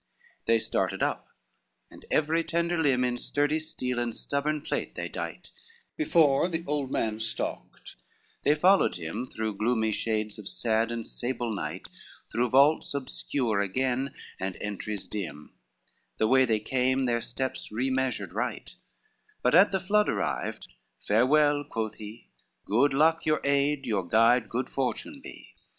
II They started up, and every tender limb In sturdy steel and stubborn plate they dight, Before the old man stalked, they followed him Through gloomy shades of sad and sable night, Through vaults obscure again and entries dim, The way they came their steps remeasured right; But at the flood arrived, "Farewell," quoth he, "Good luck your aid, your guide good fortune be."